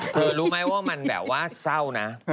รู้ไหมว่ามันแบบว่าเศร้านะ